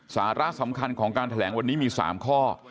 สาระสำคัญของการแถลงวันนี้มี๓ข้อ